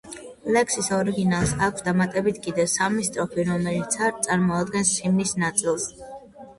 ლექსის ორიგინალს აქვს დამატებით კიდევ სამი სტროფი, რომელიც არ წარმოადგენს ჰიმნის ნაწილს.